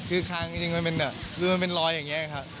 คือคางจริงมันเป็นรอยอย่างนี้ครับ